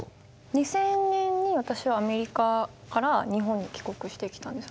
２０００年に私はアメリカから日本に帰国してきたんですよ。